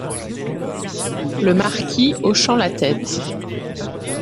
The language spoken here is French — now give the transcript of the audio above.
Le Marquis , hochant la tête.